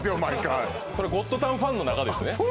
毎回それゴッドタンファンの中ですね